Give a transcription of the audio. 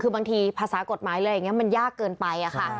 คือบางทีภาษากฎหมายอะไรอย่างนี้มันยากเกินไปค่ะ